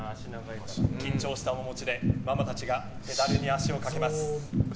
緊張した面持ちでママたちがペダルに足をかけます。